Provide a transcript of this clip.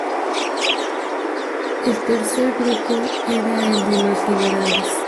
El tercer grupo era el de los liberales.